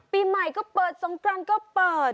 ปีใหม่ก็เปิดสงกรานก็เปิด